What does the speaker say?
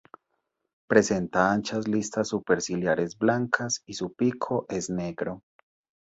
Presenta anchas listas superciliares blancas y su pico es negro.